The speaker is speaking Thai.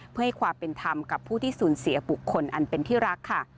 เพื่อให้ความเป็นธรรมกับผู้ที่สูญเสียบุคคลอันเป็นที่รักค่ะ